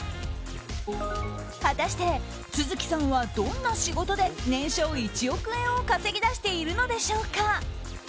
果たして、續さんはどんな仕事で年商１億円を稼ぎ出しているのでしょうか。